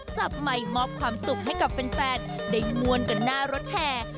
จับไมค์มอบความสุขให้กับแฟนได้มวลกันหน้ารถแห่